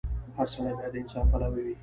• هر سړی باید د انصاف پلوی وي.